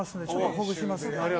ほぐしますね。